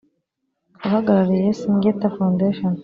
Abahagarariye Syngenta foundation